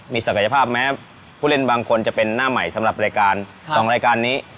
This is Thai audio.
มีศักยภาพแม้ผู้เล่นบางคนจะเป็นหน้าใหม่สำหรับรายการ๒รายการนี้